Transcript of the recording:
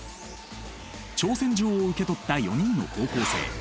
挑戦状を受け取った４人の高校生。